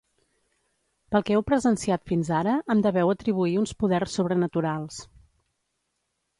Pel que heu presenciat fins ara, em deveu atribuir uns poders sobrenaturals.